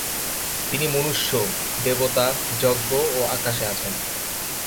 তিনি মনুষ্য, দেবতা, যজ্ঞ ও আকাশে আছেন।